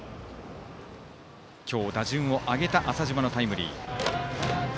今日、打順を上げた浅嶋のタイムリー。